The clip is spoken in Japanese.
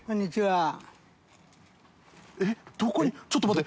ちょっと待って。